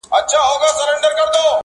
زما او ستا تر منځ یو نوم د شراکت دئ.!